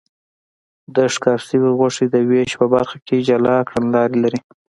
د ښکار شوې غوښې د وېش په برخه کې جلا کړنلارې لري.